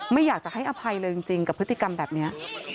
ไม่อยากจะให้อภัยเลยจริงกับพฤติกรรมแบบนี้